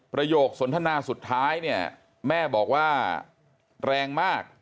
ประโยคสนทนาสุดท้ายเนี่ยแม่บอกว่าแรงมาก